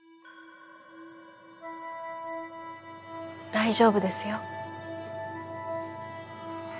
大丈夫ですよ。